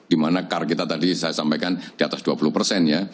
di mana car kita tadi saya sampaikan di atas dua puluh persen ya